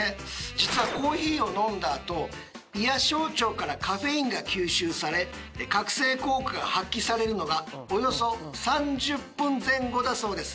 実はコーヒーを飲んだあと胃や小腸からカフェインが吸収され覚醒効果が発揮されるのがおよそ３０分前後だそうです。